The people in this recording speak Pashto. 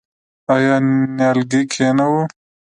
آیا نیالګی کینوو؟